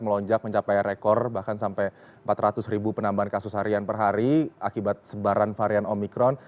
melonjak mencapai rekor bahkan sampai empat ratus ribu penambahan kasus harian per hari akibat sebaran varian omikron